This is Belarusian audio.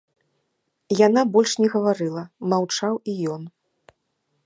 Яна больш не гаварыла, маўчаў і ён.